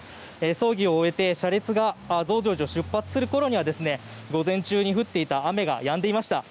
葬儀を終えて車列が増上寺を出発するころには午前中に降っていた雨がやんでいました。